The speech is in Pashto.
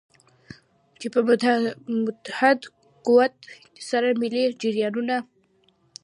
چې په متحد قوت سره ملي جریانونه.